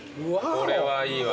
これはいいわ。